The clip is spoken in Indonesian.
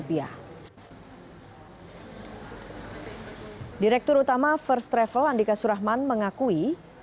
direktur utama first travel andika surahman mengakui